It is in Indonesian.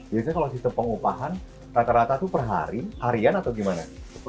jadi kalau sistem pengupahan rata rata itu per hari harian atau gimana